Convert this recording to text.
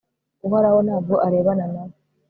uhoraho nta bwo arebana na we